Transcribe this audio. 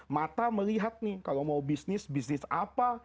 mata melihat nih kalau mau bisnis bisnis apa